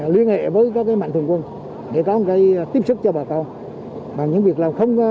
liên hệ với các mạnh thường quân để có một cái tiếp xúc cho bà con